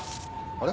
あれ？